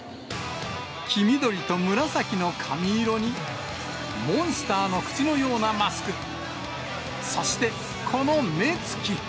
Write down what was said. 黄緑と紫の髪色に、モンスターの口のようなマスク、そして、この目つき。